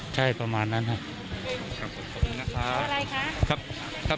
ใช่ประมาณนั้นค่ะ